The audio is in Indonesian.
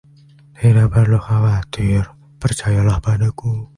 Tidak perlu khawatir, percayalah padaku.